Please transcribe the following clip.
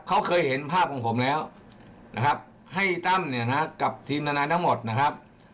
เขาเคยเห็นภาพของผมแล้วนะครับให้ตั้มเนี่ยนะกับทีมทนายทั้งหมดนะครับ